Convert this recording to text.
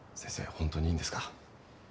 ホントにいいんですか？